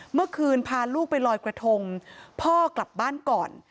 เมื่อคืนพาลูกไปลอยกระทงพ่อกลับบ้านก่อน